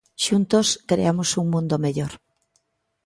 Xuntos, creamos un mundo mellor.